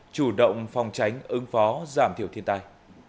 chủ động phòng tránh ứng phó giảm thiểu thiên tai